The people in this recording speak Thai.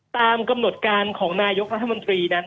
ตามกำหนดการของนายกรัฐมนตรีนั้น